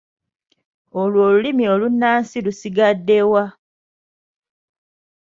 Olwo olulimi olunnansi lusigadde wa?